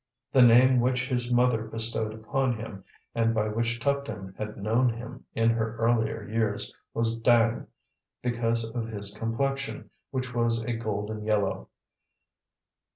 The name which his mother bestowed upon him, and by which Tuptim had known him in her earlier years, was Dang, because of his complexion, which was a golden yellow.